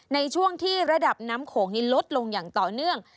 ในช่วงที่ระดับน้ำโขงนี้ลดลงอย่างต่อเนื่อง